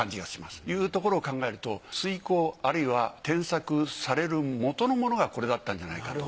というところを考えると推敲あるいは添削される元のものがこれだったんじゃないかと。